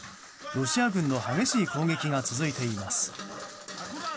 ロシア軍の激しい攻撃が続いています。